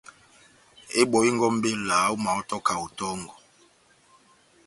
Ebɔhingé ó mbéla ómahɔ́to kahote tɔ́ngɔ